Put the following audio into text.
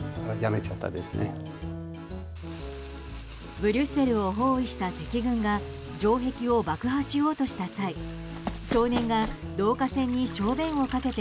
ブリュッセルを包囲した敵軍が城壁を爆破しようとした際少年が導火線に小便をかけて